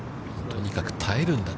とにかく耐えるんだ